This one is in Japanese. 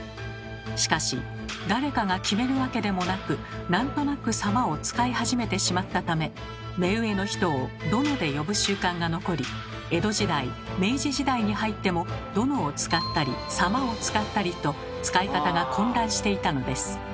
しかし誰かが決めるわけでもなくなんとなく「様」を使い始めてしまったため目上の人を「殿」で呼ぶ習慣が残り江戸時代明治時代に入っても「殿」を使ったり「様」を使ったりと使い方が混乱していたのです。